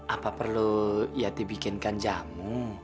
apa perlu yati bikinkan jamu